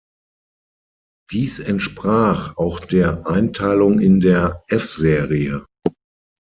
Dies entsprach auch der Einteilung in der F-Serie.